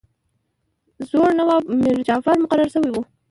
زوړ نواب میرجعفر مقرر شوی وو.